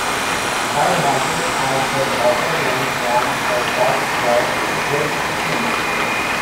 Side hatches at the water line form a dock for jet skis.